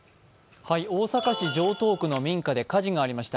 大阪市城東区の民家で火事がありました。